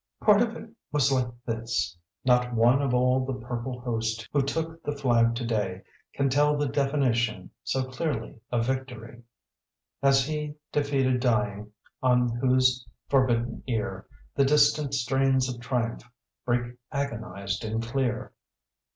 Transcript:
"Part of it was like this": 'Not one of all the purple host Who took the flag to day Can tell the definition So clear, of victory, As he, defeated, dying, On whose forbidden ear The distant strains of triumph Break agonized and clear.'